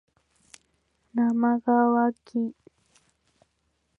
なまがわき